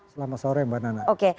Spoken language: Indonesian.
selamat sore mbak nana